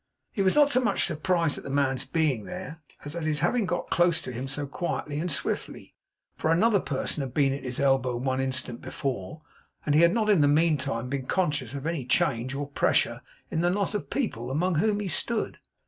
He was not so much surprised at the man's being there, as at his having got close to him so quietly and swiftly; for another person had been at his elbow one instant before; and he had not in the meantime been conscious of any change or pressure in the knot of people among whom he stood.